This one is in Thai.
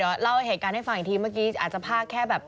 เดี๋ยวเล่าเหตุการณ์ให้ฟังอีกทีเมื่อกี้อาจจะพากแค่แบบ